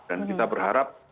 dan kita berharap